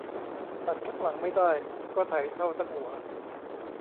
ตัดข้างหลังไม่ได้ก็ไถเท่าทั้งหัว